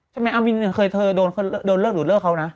ใช่มั้ยเอามีนเคยโดนเริ่มหรือเลิกเขานะ